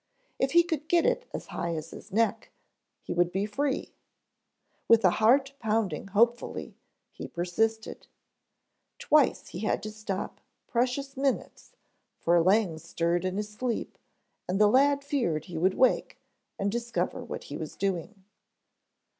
If he could get it as high as his neck he would be free. With a heart pounding hopefully he persisted. Twice he had to stop precious minutes for Lang stirred in his sleep and the lad feared he would wake and discover what he was doing.